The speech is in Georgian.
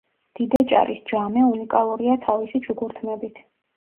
დიდაჭარის ჯამე უნიკალურია თავისი ჩუქურთმებით.